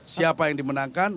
siapa yang dimenangkan